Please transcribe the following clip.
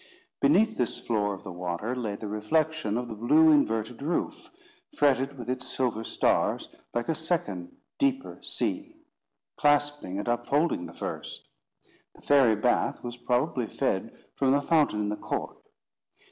Beneath this floor of the water, lay the reflection of the blue inverted roof, fretted with its silver stars, like a second deeper sea, clasping and upholding the first. The fairy bath was probably fed from the fountain in the court.